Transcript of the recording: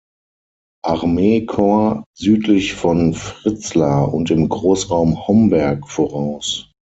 Armeekorps südlich von Fritzlar und im Großraum Homberg voraus.